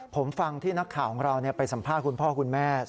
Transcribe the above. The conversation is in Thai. ผมฟังที่นักข่าวของเราไปสัมภาษณ์คุณพ่อคุณแม่